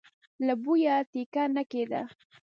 له بويه ټېکه نه کېده.